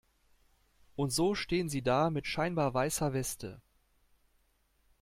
Und so stehen sie da mit scheinbar weißer Weste.